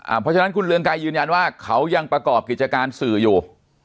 เพราะฉะนั้นคุณเรืองไกรยืนยันว่าเขายังประกอบกิจการสื่ออยู่